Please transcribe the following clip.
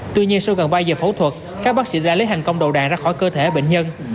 tuy nhiên sau gần ba giờ phẫu thuật các bác sĩ đã lấy thành công đầu đạn ra khỏi cơ thể bệnh nhân